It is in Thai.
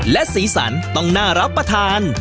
และสีสันต้องน่ารับประทาน